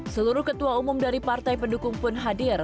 seluruh ketua umum dari partai pendukung pun hadir